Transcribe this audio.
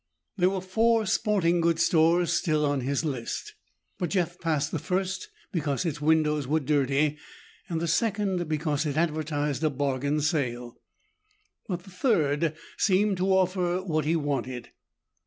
There were four sporting goods stores still on his list, but Jeff passed the first because its windows were dirty and the second because it advertised a bargain sale. But the third seemed to offer what he wanted.